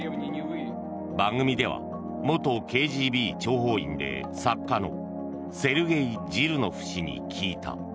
番組では元ＫＧＢ諜報員で作家のセルゲイ・ジルノフ氏に聞いた。